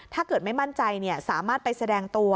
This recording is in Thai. ถ้าเกิดไม่มั่นใจสามารถไปแสดงตัว